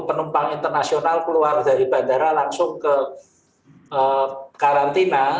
penumpang internasional keluar dari bandara langsung ke karantina